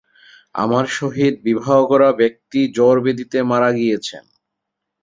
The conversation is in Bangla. আমার সহিত বিবাহ করা ব্যক্তি জ্বর ব্যাধিতে মারা গিয়েছেন।